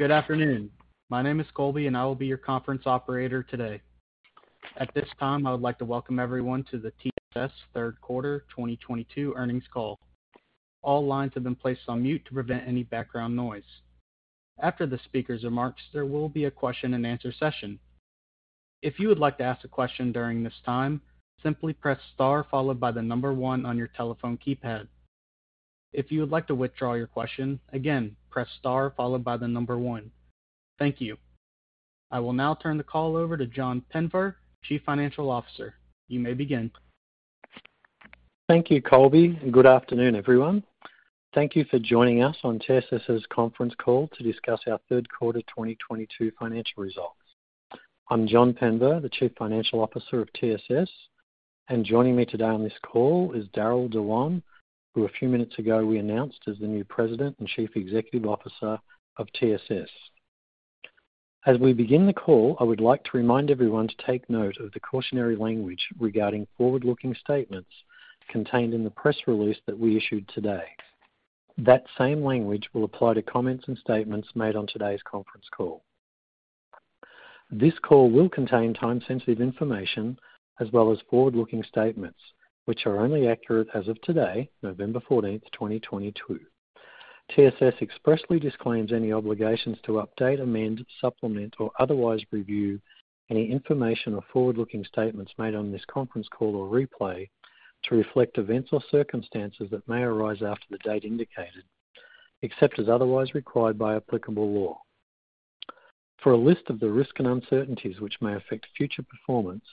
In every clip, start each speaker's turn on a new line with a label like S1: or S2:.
S1: Good afternoon. My name is Colby, and I will be your conference operator today. At this time, I would like to welcome everyone to the TSS Third Quarter 2022 Earnings Call. All lines have been placed on mute to prevent any background noise. After the speaker's remarks, there will be a question-and-answer session. If you would like to ask a question during this time, simply press star followed by the number one on your telephone keypad. If you would like to withdraw your question, again, press star followed by the number one. Thank you. I will now turn the call over to John Penver, Chief Financial Officer. You may begin.
S2: Thank you, Colby, and good afternoon, everyone. Thank you for joining us on TSS's conference call to discuss our third quarter 2022 financial results. I'm John Penver, the Chief Financial Officer of TSS, and joining me today on this call is Darryll Dewan, who a few minutes ago we announced as the new President and Chief Executive Officer of TSS. As we begin the call, I would like to remind everyone to take note of the cautionary language regarding forward-looking statements contained in the press release that we issued today. That same language will apply to comments and statements made on today's conference call. This call will contain time-sensitive information as well as forward-looking statements, which are only accurate as of today, November 14, 2022. TSS expressly disclaims any obligations to update, amend, supplement, or otherwise review any information or forward-looking statements made on this conference call or replay to reflect events or circumstances that may arise after the date indicated, except as otherwise required by applicable law. For a list of the risks and uncertainties which may affect future performance,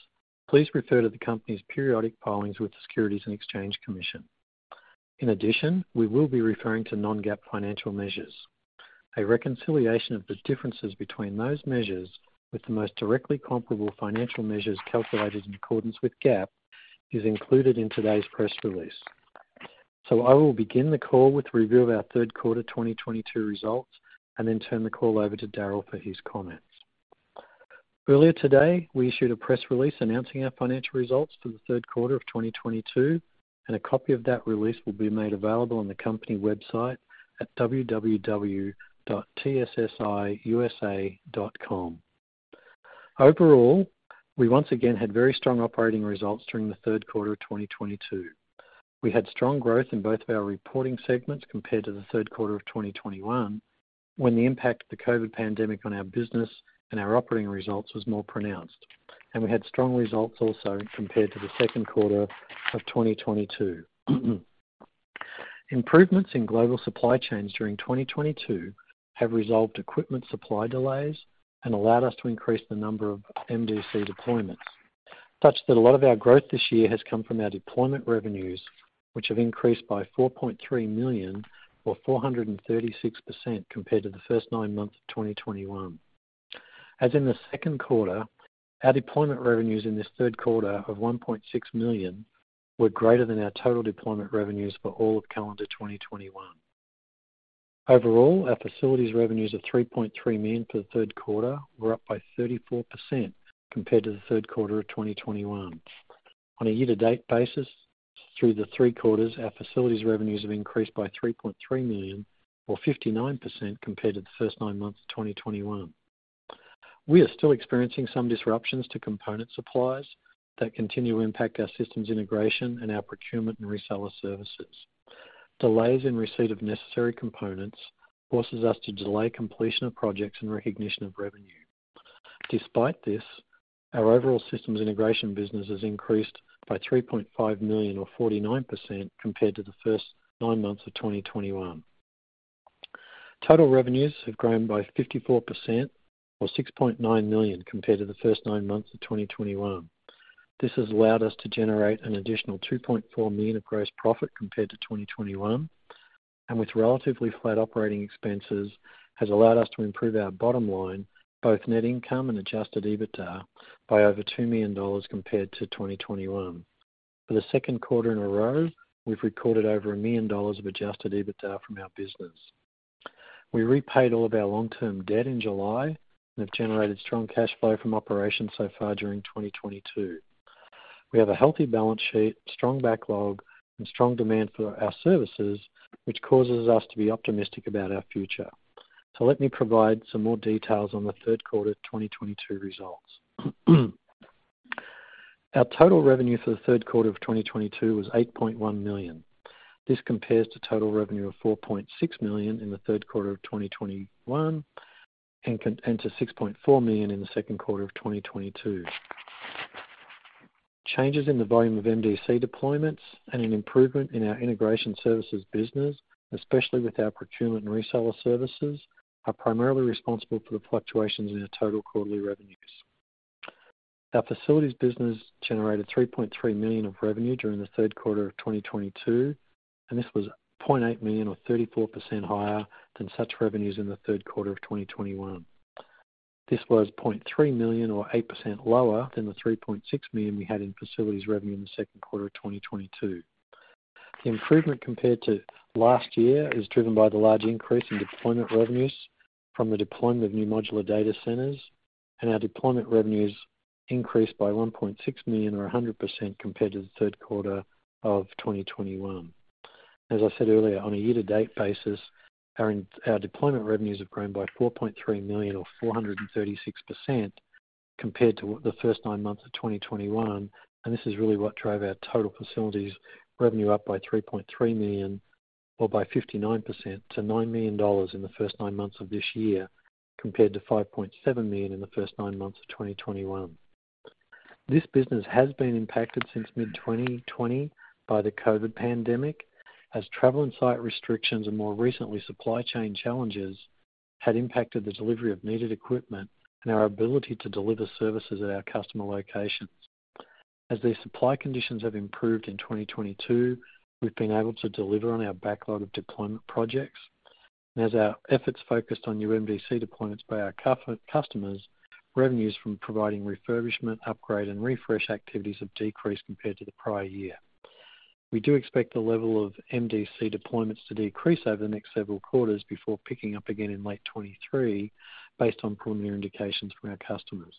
S2: please refer to the company's periodic filings with the Securities and Exchange Commission. In addition, we will be referring to non-GAAP financial measures. A reconciliation of the differences between those measures with the most directly comparable financial measures calculated in accordance with GAAP is included in today's press release. I will begin the call with a review of our third quarter 2022 results and then turn the call over to Darryll for his comments. Earlier today, we issued a press release announcing our financial results for the third quarter of 2022, and a copy of that release will be made available on the company website at www.tssiusa.com. Overall, we once again had very strong operating results during the third quarter of 2022. We had strong growth in both of our reporting segments compared to the third quarter of 2021, when the impact of the COVID pandemic on our business and our operating results was more pronounced. We had strong results also compared to the second quarter of 2022. Improvements in global supply chains during 2022 have resolved equipment supply delays and allowed us to increase the number of MDC deployments, such that a lot of our growth this year has come from our deployment revenues, which have increased by $4.3 million or 436% compared to the first nine months of 2021. As in the second quarter, our deployment revenues in this third quarter of $1.6 million were greater than our total deployment revenues for all of calendar 2021. Overall, our facilities revenues of $3.3 million for the third quarter were up by 34% compared to the third quarter of 2021. On a year-to-date basis through the three quarters, our facilities revenues have increased by $3.3 million or 59% compared to the first nine months of 2021. We are still experiencing some disruptions to component supplies that continue to impact our systems integration and our procurement and reseller services. Delays in receipt of necessary components forces us to delay completion of projects and recognition of revenue. Despite this, our overall systems integration business has increased by $3.5 million or 49% compared to the first nine months of 2021. Total revenues have grown by 54% or $6.9 million compared to the first nine months of 2021. This has allowed us to generate an additional $2.4 million of gross profit compared to 2021, and with relatively flat operating expenses, has allowed us to improve our bottom line, both net income and adjusted EBITDA by over $2 million compared to 2021. For the second quarter in a row, we've recorded over $1 million of adjusted EBITDA from our business. We repaid all of our long-term debt in July and have generated strong cash flow from operations so far during 2022. We have a healthy balance sheet, strong backlog, and strong demand for our services, which causes us to be optimistic about our future. Let me provide some more details on the third quarter 2022 results. Our total revenue for the third quarter of 2022 was $8.1 million. This compares to total revenue of $4.6 million in the third quarter of 2021 and to $6.4 million in the second quarter of 2022. Changes in the volume of MDC deployments and an improvement in our integration services business, especially with our procurement and reseller services, are primarily responsible for the fluctuations in our total quarterly revenues. Our facilities business generated $3.3 million of revenue during the third quarter of 2022, and this was $0.8 million or 34% higher than such revenues in the third quarter of 2021. This was $0.3 million or 8% lower than the $3.6 million we had in facilities revenue in the second quarter of 2022. The improvement compared to last year is driven by the large increase in deployment revenues from the deployment of new modular data centers, and our deployment revenues increased by $1.6 million or 100% compared to the third quarter of 2021. As I said earlier, on a year-to-date basis, our deployment revenues have grown by $4.3 million or 436% compared to the first nine months of 2021. This is really what drove our total facilities revenue up by $3.3 million or by 59% to $9 million in the first nine months of this year, compared to $5.7 million in the first nine months of 2021. This business has been impacted since mid-2020 by the COVID pandemic as travel and site restrictions, and more recently, supply chain challenges had impacted the delivery of needed equipment and our ability to deliver services at our customer locations. As these supply conditions have improved in 2022, we've been able to deliver on our backlog of deployment projects. As our efforts focused on new MDC deployments by our key customers, revenues from providing refurbishment, upgrade, and refresh activities have decreased compared to the prior year. We do expect the level of MDC deployments to decrease over the next several quarters before picking up again in late 2023 based on preliminary indications from our customers.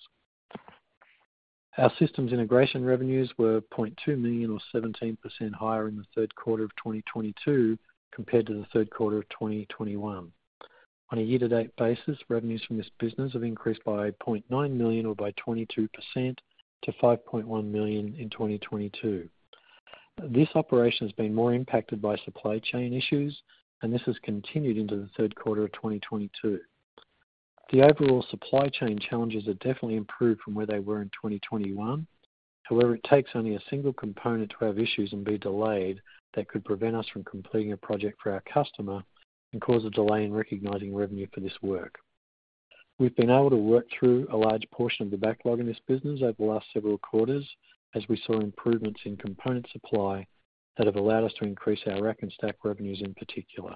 S2: Our systems integration revenues were $0.2 million or 17% higher in the third quarter of 2022 compared to the third quarter of 2021. On a year-to-date basis, revenues from this business have increased by $0.9 million or by 22% to $5.1 million in 2022. This operation has been more impacted by supply chain issues, and this has continued into the third quarter of 2022. The overall supply chain challenges have definitely improved from where they were in 2021. However, it takes only a single component to have issues and be delayed that could prevent us from completing a project for our customer and cause a delay in recognizing revenue for this work. We've been able to work through a large portion of the backlog in this business over the last several quarters as we saw improvements in component supply that have allowed us to increase our rack and stack revenues in particular.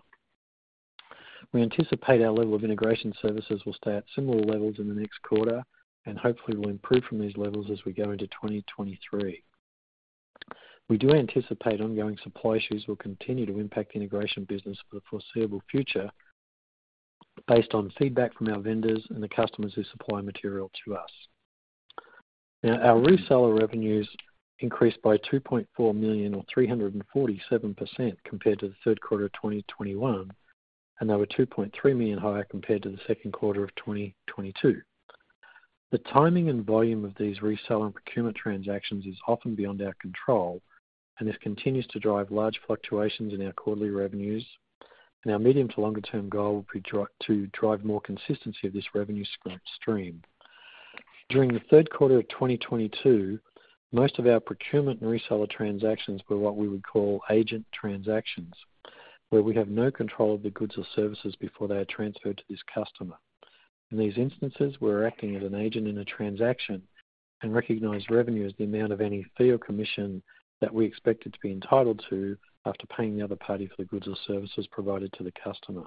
S2: We anticipate our level of integration services will stay at similar levels in the next quarter, and hopefully will improve from these levels as we go into 2023. We do anticipate ongoing supply issues will continue to impact the integration business for the foreseeable future based on feedback from our vendors and the customers who supply material to us. Now, our reseller revenues increased by $2.4 million or 347% compared to the third quarter of 2021, and they were $2.3 million higher compared to the second quarter of 2022. The timing and volume of these reseller and procurement transactions is often beyond our control, and this continues to drive large fluctuations in our quarterly revenues. Our medium to longer term goal will be to drive more consistency of this revenue stream. During the third quarter of 2022, most of our procurement and reseller transactions were what we would call agent transactions, where we have no control of the goods or services before they are transferred to this customer. In these instances, we're acting as an agent in a transaction and recognize revenue as the amount of any fee or commission that we expected to be entitled to after paying the other party for the goods or services provided to the customer.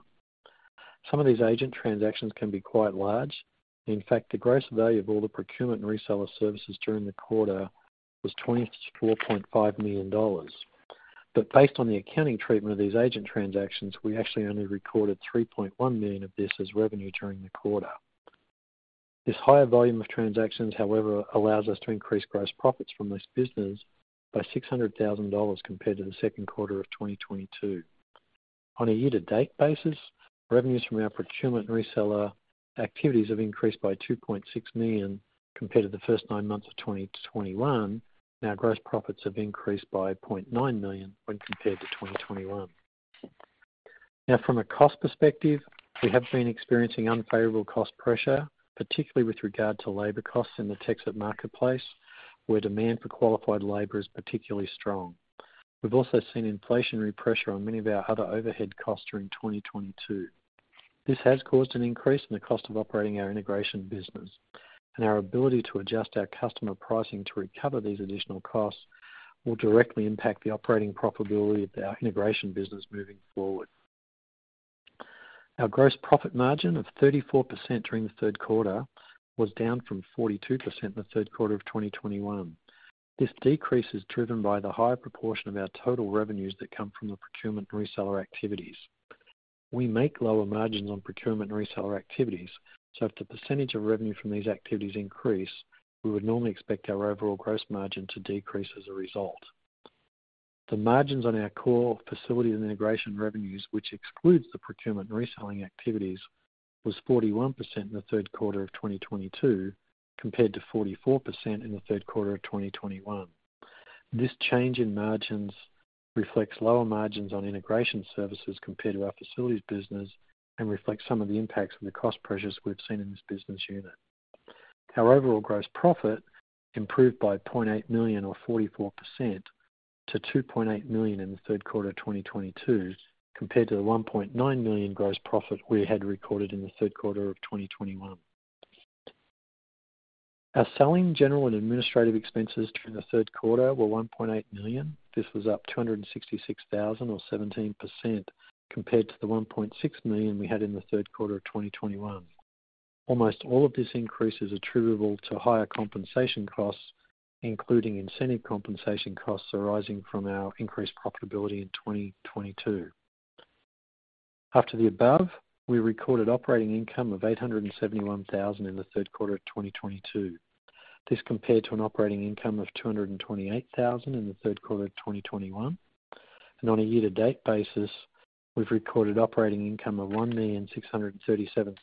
S2: Some of these agent transactions can be quite large. In fact, the gross value of all the procurement and reseller services during the quarter was $24.5 million. Based on the accounting treatment of these agent transactions, we actually only recorded $3.1 million of this as revenue during the quarter. This higher volume of transactions, however, allows us to increase gross profits from this business by $600,000 compared to the second quarter of 2022. On a year-to-date basis, revenues from our procurement and reseller activities have increased by $2.6 million compared to the first nine months of 2021. Gross profits have increased by $0.9 million when compared to 2021. From a cost perspective, we have been experiencing unfavorable cost pressure, particularly with regard to labor costs in the tech sector marketplace, where demand for qualified labor is particularly strong. We've also seen inflationary pressure on many of our other overhead costs during 2022. This has caused an increase in the cost of operating our integration business. Our ability to adjust our customer pricing to recover these additional costs will directly impact the operating profitability of our integration business moving forward. Our gross profit margin of 34% during the third quarter was down from 42% in the third quarter of 2021. This decrease is driven by the higher proportion of our total revenues that come from the procurement and reseller activities. We make lower margins on procurement and reseller activities, so if the percentage of revenue from these activities increase, we would normally expect our overall gross margin to decrease as a result. The margins on our core facilities and integration revenues, which excludes the procurement and reselling activities, was 41% in the third quarter of 2022, compared to 44% in the third quarter of 2021. This change in margins reflects lower margins on integration services compared to our facilities business and reflects some of the impacts of the cost pressures we've seen in this business unit. Our overall gross profit improved by $0.8 million or 44% to $2.8 million in the third quarter of 2022, compared to the $1.9 million gross profit we had recorded in the third quarter of 2021. Our selling, general and administrative expenses during the third quarter were $1.8 million. This was up $266,000 or 17% compared to the $1.6 million we had in the third quarter of 2021. Almost all of this increase is attributable to higher compensation costs, including incentive compensation costs arising from our increased profitability in 2022. After the above, we recorded operating income of $871 thousand in the third quarter of 2022. This compared to an operating income of $228 thousand in the third quarter of 2021. On a year-to-date basis, we've recorded operating income of $1.637 million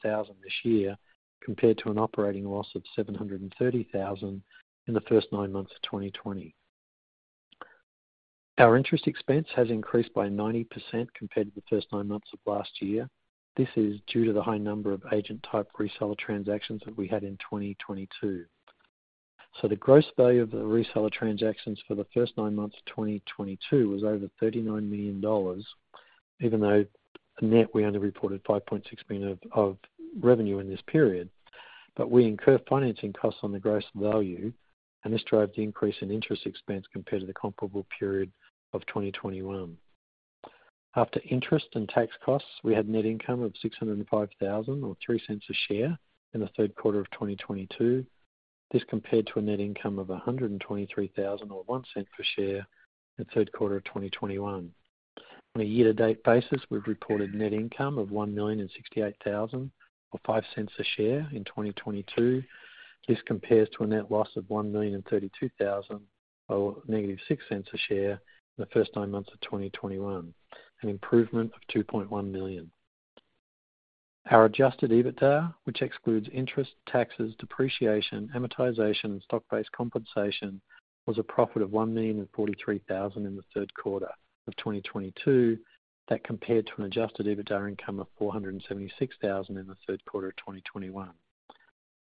S2: this year, compared to an operating loss of $730 thousand in the first nine months of 2020. Our interest expense has increased by 90% compared to the first nine months of last year. This is due to the high number of agent type reseller transactions that we had in 2022. The gross value of the reseller transactions for the first nine months of 2022 was over $39 million. Even though net, we only reported $5.6 million of revenue in this period. We incur financing costs on the gross value, and this drives the increase in interest expense compared to the comparable period of 2021. After interest and tax costs, we had net income of $605,000 or $0.03 per share in the third quarter of 2022. This compared to a net income of $123,000 or $0.01 per share in third quarter of 2021. On a year-to-date basis, we've reported net income of $1,068,000 or $0.05 per share in 2022. This compares to a net loss of $1,032,000 or ($0.06) a share in the first nine months of 2021, an improvement of $2.1 million. Our adjusted EBITDA, which excludes interest, taxes, depreciation, amortization, and stock-based compensation, was a profit of $1,043,000 in the third quarter of 2022. That compared to an adjusted EBITDA income of $476,000 in the third quarter of 2021.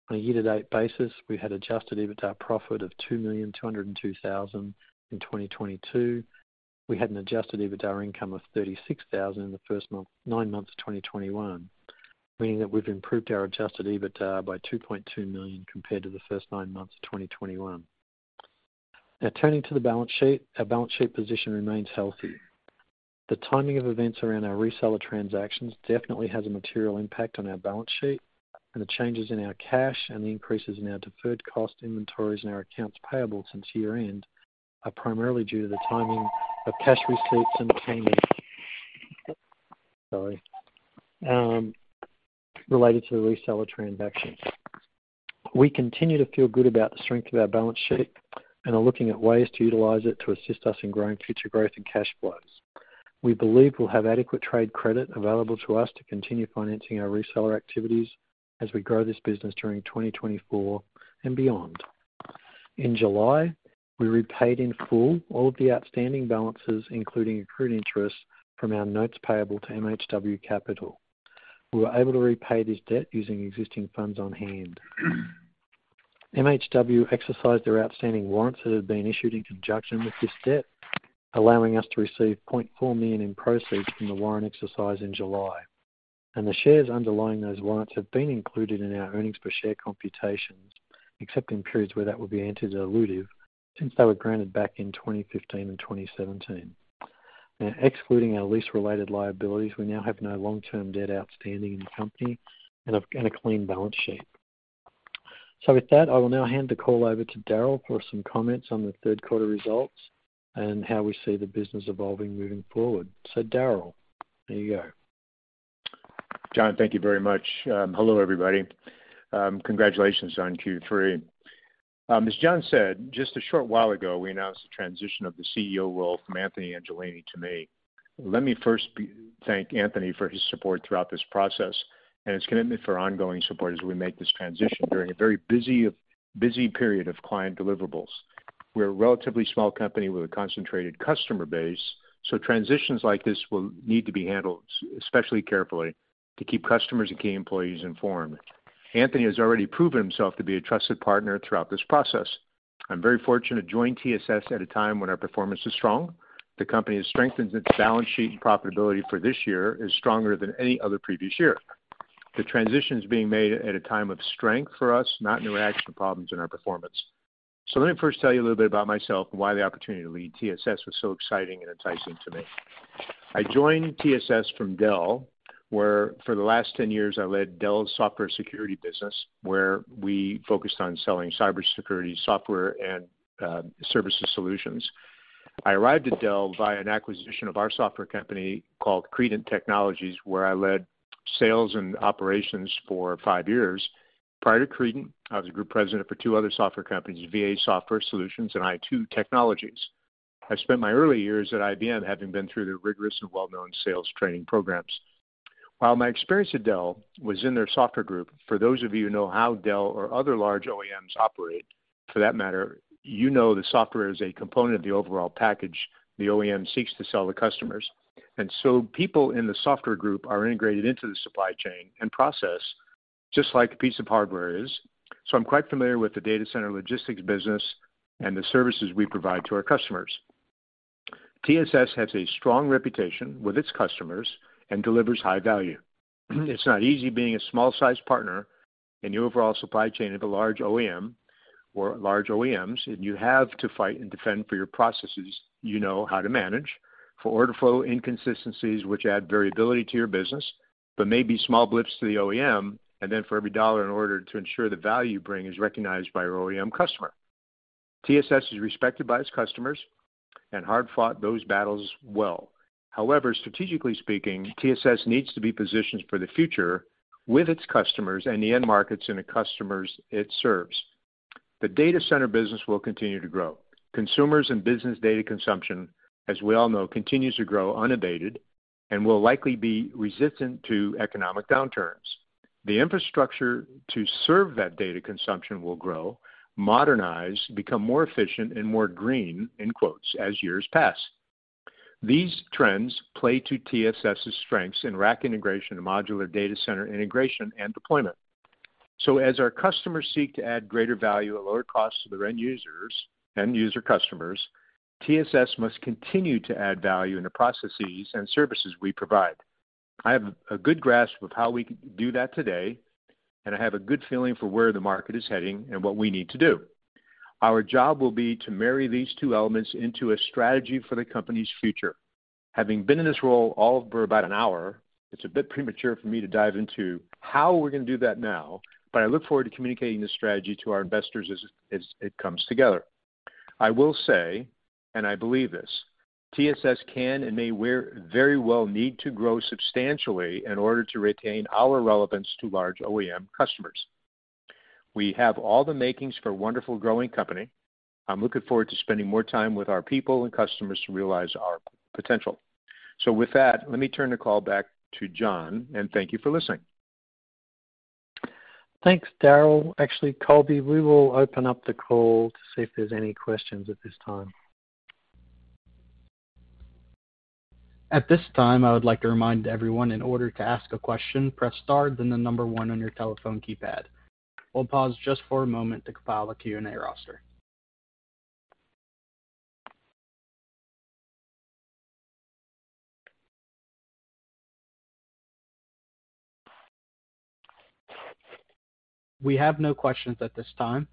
S2: On a year-to-date basis, we had adjusted EBITDA profit of $2,202,000 in 2022. We had an adjusted EBITDA income of $36,000 in the 9 months of 2021, meaning that we've improved our adjusted EBITDA by $2.2 million compared to the first nine months of 2021. Now, turning to the balance sheet, our balance sheet position remains healthy. The timing of events around our reseller transactions definitely has a material impact on our balance sheet, and the changes in our cash and the increases in our deferred cost inventories and our accounts payable since year-end are primarily due to the timing of cash receipts and payments related to the reseller transactions. We continue to feel good about the strength of our balance sheet and are looking at ways to utilize it to assist us in growing future growth and cash flows. We believe we'll have adequate trade credit available to us to continue financing our reseller activities as we grow this business during 2024 and beyond. In July, we repaid in full all of the outstanding balances, including accrued interest from our notes payable to MHW Capital Management. We were able to repay this debt using existing funds on hand. MHW exercised their outstanding warrants that had been issued in conjunction with this debt, allowing us to receive $0.4 million in proceeds from the warrant exercise in July. The shares underlying those warrants have been included in our earnings per share computations, except in periods where that would be anti-dilutive since they were granted back in 2015 and 2017. Now, excluding our lease-related liabilities, we now have no long-term debt outstanding in the company and a clean balance sheet. With that, I will now hand the call over to Darryll for some comments on the third quarter results and how we see the business evolving moving forward. Darryll, there you go.
S3: John, thank you very much. Hello, everybody. Congratulations on Q3. As John said, just a short while ago, we announced the transition of the CEO role from Anthony Angelini to me. Let me first thank Anthony for his support throughout this process and his commitment for ongoing support as we make this transition during a very busy period of client deliverables. We're a relatively small company with a concentrated customer base, so transitions like this will need to be handled especially carefully to keep customers and key employees informed. Anthony has already proven himself to be a trusted partner throughout this process. I'm very fortunate to join TSS at a time when our performance is strong. The company has strengthened its balance sheet, and profitability for this year is stronger than any other previous year. The transition is being made at a time of strength for us, not in reaction to problems in our performance. Let me first tell you a little bit about myself and why the opportunity to lead TSS was so exciting and enticing to me. I joined TSS from Dell, where for the last 10 years I led Dell's software security business, where we focused on selling cybersecurity software and services solutions. I arrived at Dell via an acquisition of our software company called Credant Technologies, where I led sales and operations for five years. Prior to Credant, I was a group president for two other software companies, VA Software Solutions and i2 Technologies. I spent my early years at IBM, having been through their rigorous and well-known sales training programs. While my experience at Dell was in their software group, for those of you who know how Dell or other large OEMs operate, for that matter, you know that software is a component of the overall package the OEM seeks to sell to customers. People in the software group are integrated into the supply chain and process just like a piece of hardware is. I'm quite familiar with the data center logistics business and the services we provide to our customers. TSS has a strong reputation with its customers and delivers high value. It's not easy being a small-sized partner in the overall supply chain of a large OEM or large OEMs, and you have to fight and defend for your processes you know how to manage. For order flow inconsistencies, which add variability to your business, but may be small blips to the OEM, and then for every dollar in order to ensure the value you bring is recognized by your OEM customer. TSS is respected by its customers and hard-fought those battles well. However, strategically speaking, TSS needs to be positioned for the future with its customers and the end markets and the customers it serves. The data center business will continue to grow. Consumers and business data consumption, as we all know, continues to grow unabated and will likely be resistant to economic downturns. The infrastructure to serve that data consumption will grow, modernize, become more efficient, and more green, in quotes, as years pass. These trends play to TSS's strengths in rack integration and modular data center integration and deployment. As our customers seek to add greater value at lower costs to their end users, end user customers, TSS must continue to add value in the processes and services we provide. I have a good grasp of how we can do that today, and I have a good feeling for where the market is heading and what we need to do. Our job will be to marry these two elements into a strategy for the company's future. Having been in this role all for about an hour, it's a bit premature for me to dive into how we're gonna do that now, but I look forward to communicating this strategy to our investors as it comes together. I will say, and I believe this, TSS can and may very well need to grow substantially in order to retain our relevance to large OEM customers. We have all the makings for a wonderful growing company. I'm looking forward to spending more time with our people and customers to realize our potential. With that, let me turn the call back to John, and thank you for listening.
S2: Thanks, Darryll. Actually, Colby, we will open up the call to see if there's any questions at this time.
S1: At this time, I would like to remind everyone, in order to ask a question, press star, then the number one on your telephone keypad. We'll pause just for a moment to compile a Q&A roster. We have no questions at this time.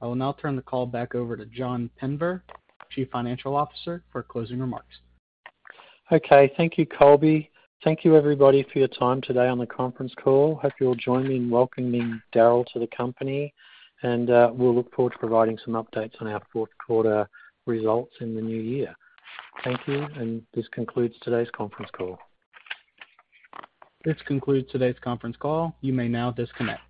S1: I will now turn the call back over to John Penver, Chief Financial Officer, for closing remarks.
S2: Okay. Thank you, Colby. Thank you, everybody, for your time today on the conference call. Hope you'll join me in welcoming Darryll to the company, and we'll look forward to providing some updates on our fourth quarter results in the new year. Thank you, and this concludes today's conference call.
S1: This concludes today's conference call. You may now disconnect.